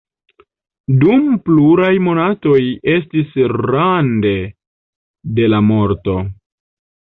Dum pluraj monatoj estis rande de la morto.